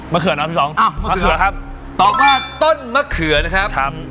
มะเขือนะพี่ป๋องตอบว่าต้นมะเขือนะครับ